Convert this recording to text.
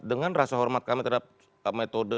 dengan rasa hormat kami terhadap metode